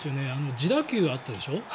自打球があったでしょ。